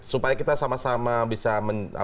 supaya kita sama sama bisa